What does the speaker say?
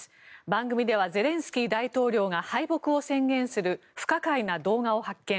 番組ではゼレンスキー大統領が敗北を宣言する不可解な動画を発見。